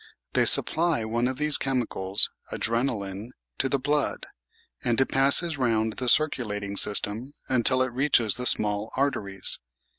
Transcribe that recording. They supply one of these chemicals {adrenalin) to the blood, and it passes round the circulating system until it reaches the small arteries.